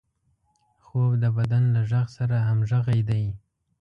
خوب د بدن له غږ سره همغږي ده